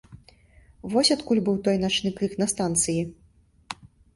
Вось адкуль быў той начны крык на станцыі.